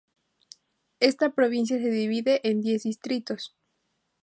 Esta provincia se divide en diez distritos.